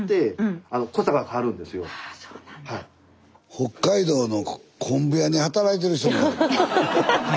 北海道の昆布屋に働いてる人みたい。